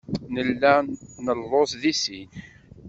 Nella nelluẓ deg sin.